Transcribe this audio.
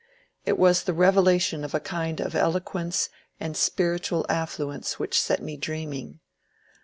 It was the revelation of a kind of elo quence and spiritual affluence which set me dreaming.